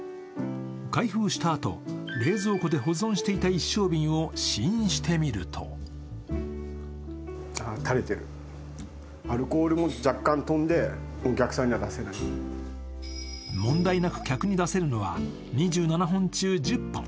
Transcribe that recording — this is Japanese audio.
開封したあと冷蔵庫で保存していた一升瓶を試飲してみると問題なく客に出せるのは２７本中１０本。